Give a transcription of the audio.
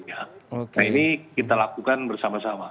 nah ini kita lakukan bersama sama